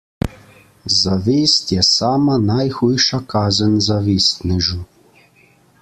Zavist je sama najhujša kazen zavistnežu.